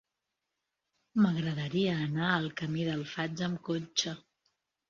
M'agradaria anar al camí del Faig amb cotxe.